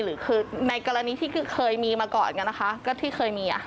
หรือคือในกรณีที่เคยมีมาก่อนกันนะคะก็ที่เคยมี